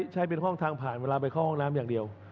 ใช้เป็นห้องทางผ่านเวลาไปเข้าห้องน้ำอย่างเดียว